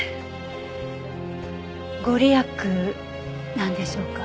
御利益なんでしょうか？